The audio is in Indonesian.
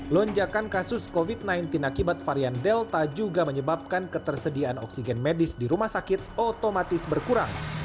lonjakan kasus covid sembilan belas akibat varian delta juga menyebabkan ketersediaan oksigen medis di rumah sakit otomatis berkurang